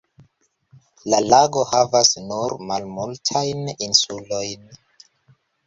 La lago havas nur malmultajn insulojn.